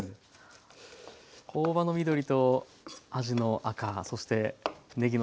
大葉の緑とあじの赤そしてねぎの白。